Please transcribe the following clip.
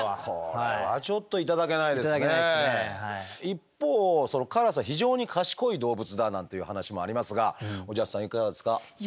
一方カラスは非常に賢い動物だなんていう話もありますがおじゃすさんいかがですか？